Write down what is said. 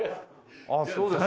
あっそうですか。